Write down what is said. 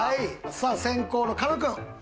さあ先攻の狩野君。